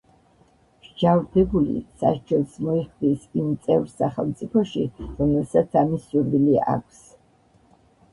მსჯავრდებული სასჯელს მოიხდის იმ წევრ სახელმწიფოში, რომელსაც ამის სურვილი აქვს.